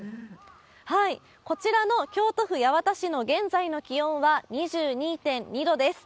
こちらの京都府八幡市の現在の気温は２２．２度です。